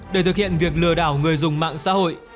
để thực hiện việc lừa đảo người dùng mạng xã hội